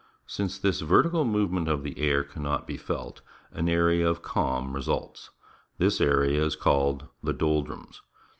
Since this vertical mo\ ement of the air cannot be felt, an area of calm results. This area is called the Doldrums.